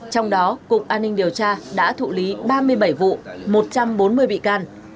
trong đó cục an ninh điều tra đã thụ lý ba mươi bảy vụ một trăm bốn mươi bị can